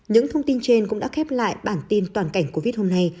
những thông tin trên cũng đã khép lại bản tin toàn cảnh covid hôm nay